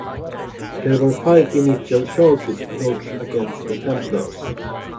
There were five initial charges lodged against the Templars.